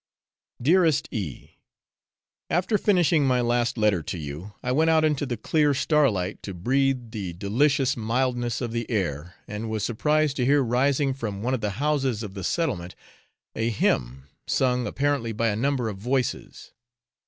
Dearest E . After finishing my last letter to you, I went out into the clear starlight to breathe the delicious mildness of the air, and was surprised to hear rising from one of the houses of the settlement a hymn sung apparently by a number of voices.